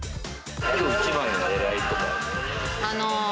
きょう一番の狙いとかは？